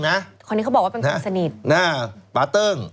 คนนี้เขาบอกว่าเป็นคนสนิท